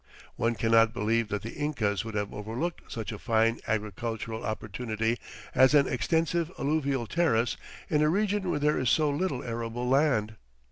One cannot believe that the Incas would have overlooked such a fine agricultural opportunity as an extensive alluvial terrace in a region where there is so little arable land.